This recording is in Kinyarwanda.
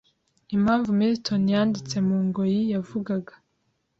Impamvu Milton yanditse mu ngoyi yavugaga